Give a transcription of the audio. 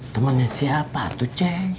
temennya siapa atu ceng